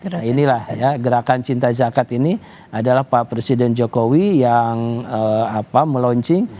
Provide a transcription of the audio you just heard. nah inilah ya gerakan cinta zakat ini adalah pak presiden jokowi yang melaunching